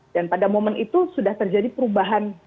dan pada momen itu sudah terjadi perubahan